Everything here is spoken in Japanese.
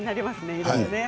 いろいろね。